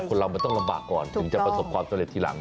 คนเรามันต้องลำบากก่อนถึงจะประสบความสำเร็จทีหลัง